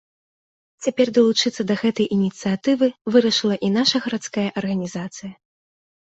Цяпер далучыцца да гэтай ініцыятывы вырашыла і наша гарадская арганізацыя.